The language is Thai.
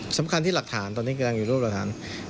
สำคัญที่หลักฐานตอนนี้กำลังอยู่รูปหลักฐาน